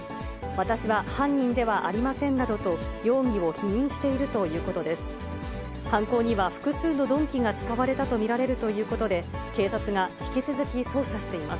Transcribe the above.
私は犯人ではありませんなどと容疑を否認しているということです。